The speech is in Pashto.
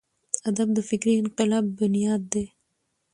ادب د فکري انقلاب بنیاد دی.